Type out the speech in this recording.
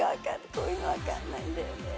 こういうのわかんないんだよね。